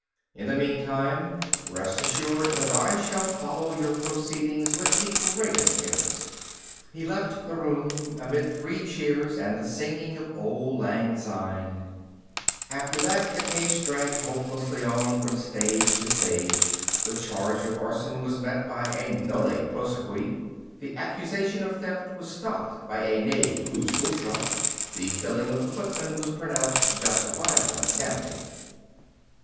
In the meantime, rest assured that I shall follow your proceedings with the greatest interest." He left the room amid three cheers and the singing of "Auld Lang Syne." After that the case dragged hopeless on from stage to stage. The charge of arson was met by a nolle prosequi. The accusation of theft was stopped by a ne plus ultra. The killing of the footman was pronounced justifiable insanity.